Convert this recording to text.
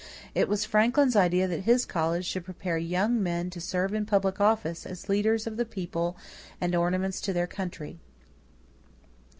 It was Franklin's idea that his college should prepare young men to serve in public office as leaders of the people and ornaments to their country.